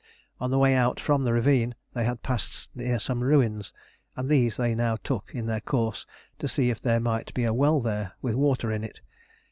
On the way out from the ravine they had passed near some ruins, and these they now took in their course to see if there might be a well there with water in it.